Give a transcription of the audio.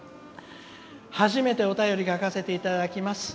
「初めてお便り書かせていただきます。